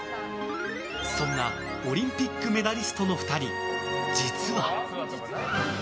そんなオリンピックメダリストの２人、実は。